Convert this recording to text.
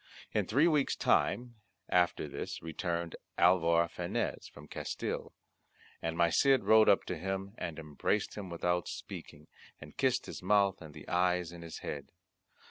In three weeks time after this returned Alvar Fanez from Castille. And my Cid rode up to him, and embraced him without speaking, and kissed his mouth and the eyes in his head.